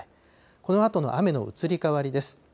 このあとの雨の移り変わりです。